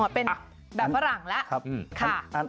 โหสุดยอดเป็นแบบฝรั่งแล้ว